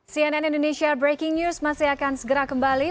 cnn indonesia breaking news masih akan segera kembali